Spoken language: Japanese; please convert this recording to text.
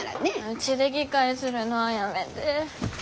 うちで議会するのはやめて。